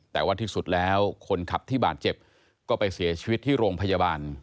แต่ว่าที่สุดแล้วคนขับที่บาดเจ็บก็ไปเสียชีวิตที่โรงพยาบาล